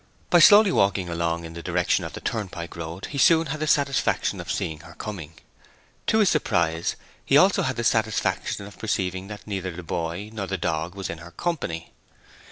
By slowly walking along in the direction of the turnpike road he soon had the satisfaction of seeing her coming. To his surprise he also had the satisfaction of perceiving that neither boy nor dog was in her company.